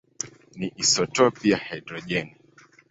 ni isotopi ya hidrojeni.